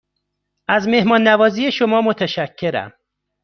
از مهمان نوازی شما متشکرم.